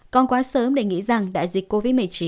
còn quá sớm để nghĩ rằng đại dịch covid một mươi chín